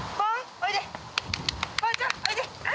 おいで！